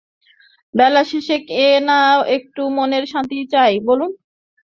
বেলা শেষে কে না একটু মনের শান্তি চায় বলুন?